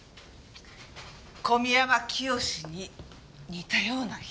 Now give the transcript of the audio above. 小宮山潔に似たような人。